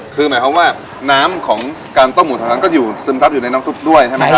คือหมายความว่าน้ำของการต้มหมูเตาถ่านก็ซึมทับอยู่ในน้ำซุปด้วยใช่มั้ยครับ